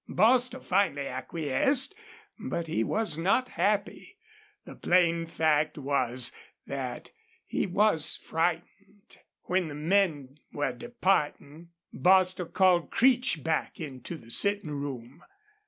Bostil finally acquiesced, but he was not happy. The plain fact was that he was frightened. When the men were departing Bostil called Creech back into the sitting room.